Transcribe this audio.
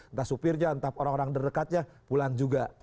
entah supirnya entah orang orang terdekatnya pulang juga